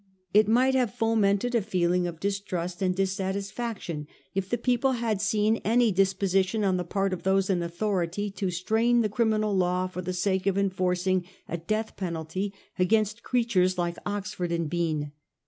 It might have fomented a feeling of distrust and dissatisfaction if the people had seen any disposition on the part of those in authority to strain the criminal law for the sake of enforcing a death penalty against creatures like Oxford and Bean.